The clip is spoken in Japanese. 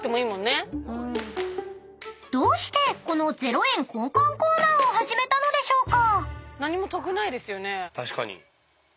［どうしてこの０円交換コーナーを始めたのでしょうか？］